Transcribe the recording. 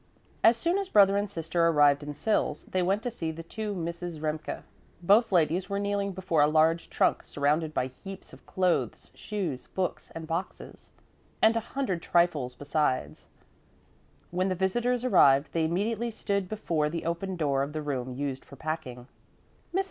As soon as brother and sister arrived in Sils, they went to see the two Misses Remke. Both ladies were kneeling before a large trunk, surrounded by heaps of clothes, shoes, books and boxes, and a hundred trifles besides. When the visitors arrived, they immediately stood before the open door of the room used for packing.